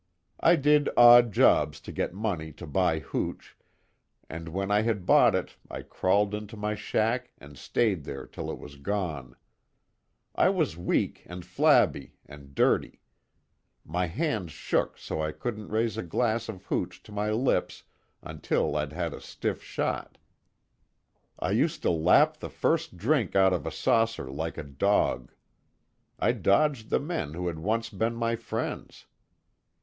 I did odd jobs to get money to buy hooch, and when I had bought it I crawled into my shack and stayed there till it was gone. I was weak and flabby, and dirty. My hands shook so I couldn't raise a glass of hooch to my lips, until I'd had a stiff shot. I used to lap the first drink out of a saucer like a dog. I dodged the men who had once been my friends.